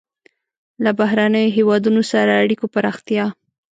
له بهرنیو هېوادونو سره اړیکو پراختیا.